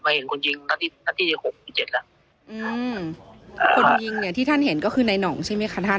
เห็นคนยิงนาทีนาทีหกสิบเจ็ดแล้วอืมคนยิงเนี่ยที่ท่านเห็นก็คือในห่องใช่ไหมคะท่าน